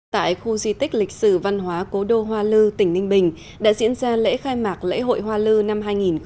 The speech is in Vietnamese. tại khu di tích lịch sử văn hóa cố đô hoa lư tỉnh ninh bình đã diễn ra lễ khai mạc lễ hội hoa lư năm hai nghìn một mươi chín